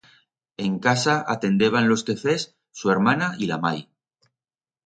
En casa atendeban los quefers su ermana y la mai.